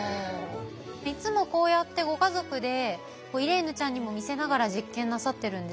いつもこうやってご家族でイレーヌちゃんにも見せながら実験なさってるんですか？